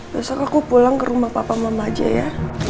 besok aku pulang ke rumah papa mama aja ya